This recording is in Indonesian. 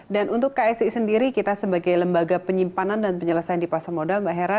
dan untuk ksi sendiri kita sebagai lembaga penyimpanan dan penyelesaian di pasar modal mbak hera